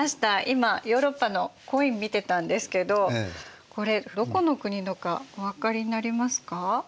今ヨーロッパのコイン見てたんですけどこれどこの国のかお分かりになりますか？